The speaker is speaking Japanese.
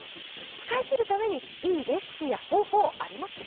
使い切るために、いいレシピや方法はありますか？